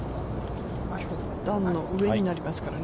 きょうは段の上になりますからね。